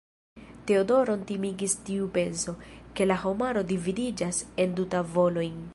Teodoron timigis tiu penso, ke la homaro dividiĝas en du tavolojn.